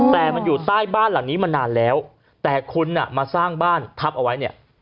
แต่มันอยู่ใต้บ้านหลังนี้มานานแล้วแต่คุณมาสร้างบ้านทับเอาไว้เนี่ย